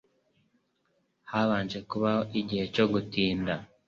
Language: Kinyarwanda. Habanje kubaho “igihe cyo gutinda”